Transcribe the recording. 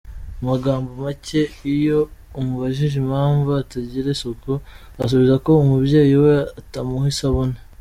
Mu magambo make iyo umubajije impamvu atagira isuku, asubiza ko umubyeyi we atamuha isabune.